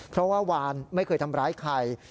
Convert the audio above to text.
เพราะว่าวานไม่เคยทำร้ายใคร